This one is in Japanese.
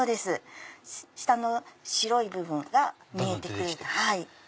下の白い部分が見えてくる。